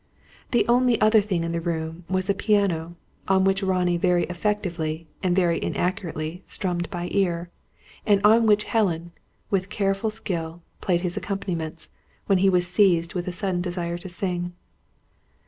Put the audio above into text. The only other thing in the room was a piano, on which Ronnie very effectively and very inaccurately strummed by ear; and on which Helen, with careful skill, played his accompaniments, when he was seized with a sudden desire to sing.